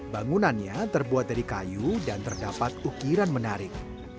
bangunannya terbuat dari kayu dan terdapat ukiran menarik